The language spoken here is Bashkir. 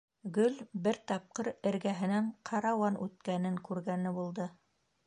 Гөл бер тапҡыр, эргәһенән ҡарауан үткәнен күргәне булды.